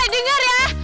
boy dengar ya